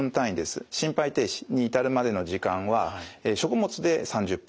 心肺停止に至るまでの時間は食物で３０分と。